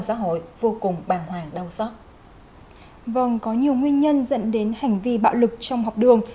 giáo hội vô cùng bàng hoàng đau xót vâng có nhiều nguyên nhân dẫn đến hành vi bạo lực trong học đường